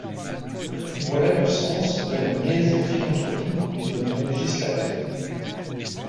Voilà le sens de la niaise philanthropie de notre législateur.